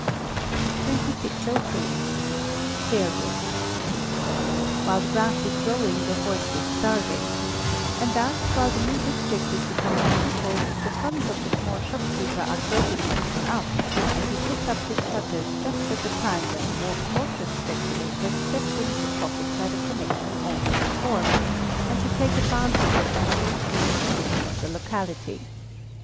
2603. Failures. "While the grass is growing the horse is starving;" and thus, while the new district is becoming peopled the funds of the small shopkeeper are gradually eaten up, and he puts up his shutters just at the time when a more cautious speculator steps in to profit by the connection already formed, and to take advantage of the new improved condition of the locality.